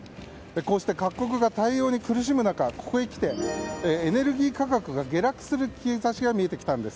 こうして各国が対応に苦しむ中ここにきてエネルギー価格が下落する兆しが見えてきたんです。